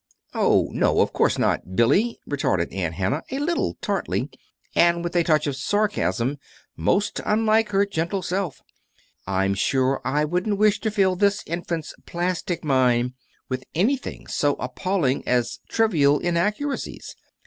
"Oh, no, of course not, Billy," retorted Aunt Hannah, a little tartly, and with a touch of sarcasm most unlike her gentle self. "I'm sure I shouldn't wish to fill this infant's plastic mind with anything so appalling as trivial inaccuracies.